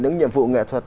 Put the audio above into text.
những nhiệm vụ nghệ thuật